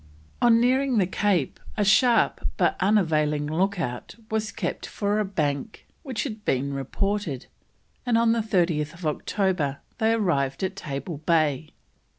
On nearing the Cape a sharp but unavailing look out was kept for a bank which had been reported, and on 30th October they arrived in Table Bay.